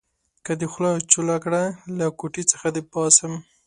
که دې خوله چوله کړه؛ له کوټې څخه دې باسم.